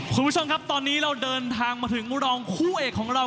คุณผู้ชมครับตอนนี้เราเดินทางมาถึงรองคู่เอกของเรา